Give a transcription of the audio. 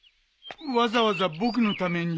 わざわざ僕のために？